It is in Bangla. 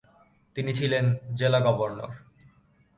তিনি ছিলেন জেলা গভর্নর।